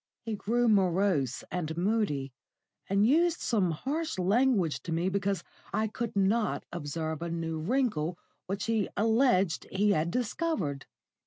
He grew morose and moody, and used some harsh language to me because I could not observe a new wrinkle which he alleged he had discovered.